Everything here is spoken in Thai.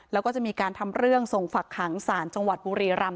แล้วก็จะมีการทำเรื่องส่งฝักขังศาลจังหวัดบุรีรำ